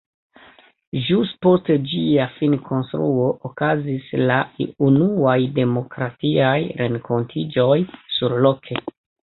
Ĵus post ĝia finkonstruo okazis la unuaj demokratiaj renkontiĝoj surloke!